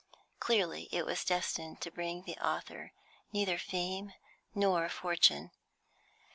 Clearly it was destined to bring the author neither fame nor fortune.